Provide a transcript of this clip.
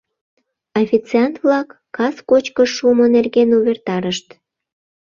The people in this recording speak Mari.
Официант-влак кас кочкыш шумо нерген увертарышт.